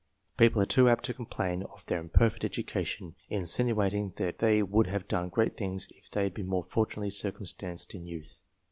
People are too apt to complain of their imperfect education, insinuating that they would have done great things if they had been more fortunately circum stanced in youth.